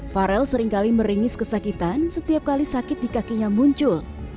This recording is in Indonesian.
farel seringkali meringis kesakitan setiap kali sakit di kakinya muncul